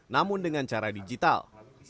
namun dengan cara digital